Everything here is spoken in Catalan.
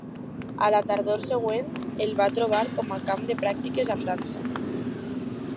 A la tardor següent el va trobar com a camp de pràctiques a França.